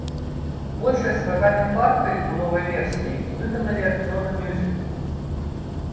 Большасць вакальных партый у новай версіі выканалі акцёры мюзіклу.